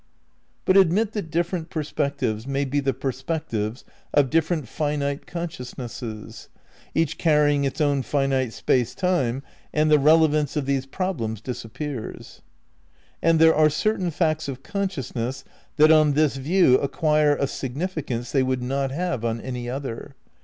But admit that different perspectives may be the perspectives of different finite consciousnesses, each carrying its own finite space time,^ and the relevance of these problems disappears. And there are certain facts of consciousness that on this view acquire h significance they would not have on any other.